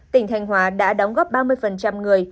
tỉnh thanh hóa đã đóng góp ba mươi người